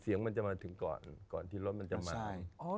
เสียงมันจะมาถึงก่อนก่อนที่รถมันจะมา